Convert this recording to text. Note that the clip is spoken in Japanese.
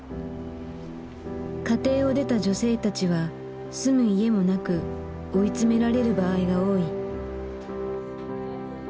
家庭を出た女性たちは住む家もなく追い詰められる場合が多い。